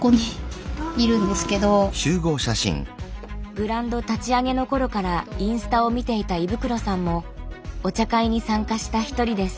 ブランド立ち上げの頃からインスタを見ていた衣袋さんもお茶会に参加した一人です。